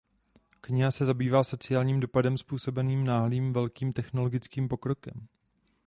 Kniha se zabývá sociálním dopadem způsobeným náhlým velkým technologickým pokrokem.